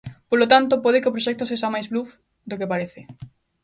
Polo tanto, pode que o proxecto sexa máis bluf do que parece.